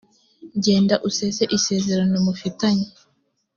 genda usese isezerano mufitanye